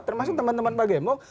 termasuk teman teman pak gembong